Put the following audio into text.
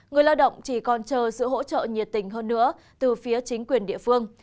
người lao động chỉ còn chờ sự hỗ trợ nhiệt tình hơn nữa từ phía chính quyền địa phương